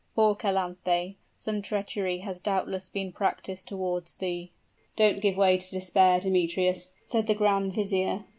Poor Calanthe! some treachery has doubtless been practiced toward thee!" "Don't give way to despair, Demetrius," said the grand vizier.